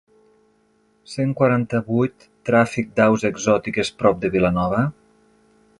Cent quaranta-vuit tràfic d'aus exòtiques prop de Vilanova?